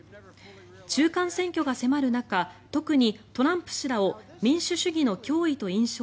中間選挙が迫る中特に、トランプ氏らを民主主義の脅威と印象